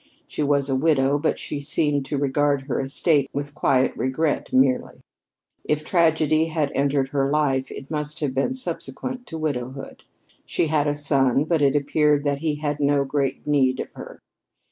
She was a widow, but she seemed to regard her estate with quiet regret merely. If tragedy had entered her life, it must have been subsequent to widowhood. She had a son, but it appeared that he had no great need of her.